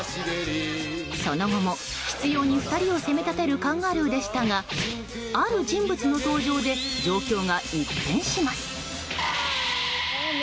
その後も執拗に２人を攻め立てるカンガルーでしたがある人物の登場で状況が一変します。